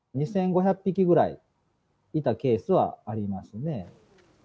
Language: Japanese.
２５００匹ぐらいいたケースはありますね。